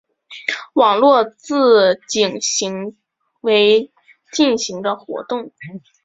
网络自警行为进行的活动。